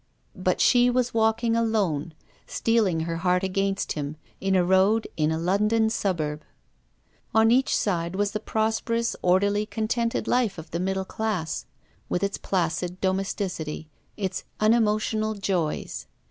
But she was walking alone, steeling her heart against him, in a road in a London suburb. On each side was the prosperous, orderly, contented life of the middle class, with its placid domesticity, its unemotional joys.